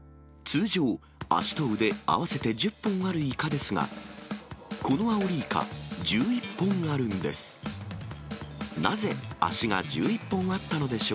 通常、足と腕合わせて１０本あるイカですが、このアオリイカ、１１本あるんです。